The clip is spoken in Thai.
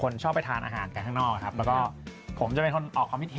สองคนชอบไปทานอาหารห้างนอกและก็ผมเป็นคนออกความผิดเห็น